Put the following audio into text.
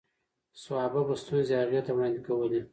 صحابه به ستونزې هغې ته وړاندې کولې.